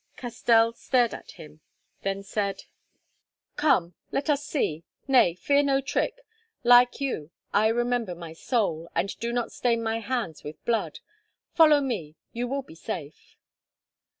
Castell stared at him, then said: "Come, let us see. Nay, fear no trick; like you I remember my soul, and do not stain my hands with blood. Follow me, so you will be safe."